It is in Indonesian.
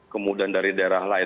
kemudian dari daerah lain